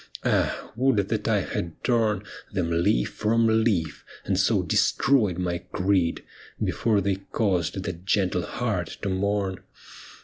Ah, would that I had torn Them leaf from leaf, and so destroyed my creed, Before they caused that gentle heart to mourn